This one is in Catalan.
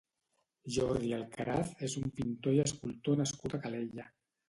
Jordi Alcaraz és un pintor i escultor nascut a Calella.